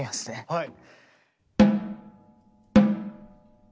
はい。